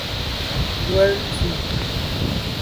Guernsey